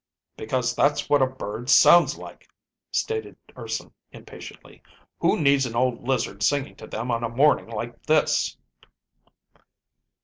"Because that's what a bird sounds like," stated Urson impatiently. "Who needs an old lizard singing to them on a morning like this?"